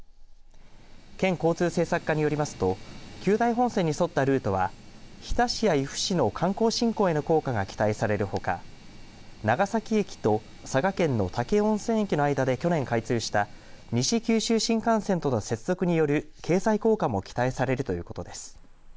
県交通政策課によりますと久大本線に沿ったルートは日田市や由布市の観光振興への効果が期待されるほか長崎駅と佐賀県の武雄温泉駅の間で去年開通した西九州新幹線との接続による経済効果も期待されるということです。